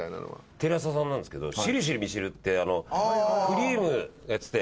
テレ朝さんなんですけど『シルシルミシル』ってくりぃむがやってて。